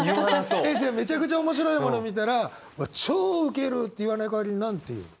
めちゃくちゃ面白いものを見たら「超ウケる」って言わない代わりに何て言うの？